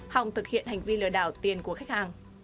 hòng thực hiện hành vi lừa đảo tiền của khách hàng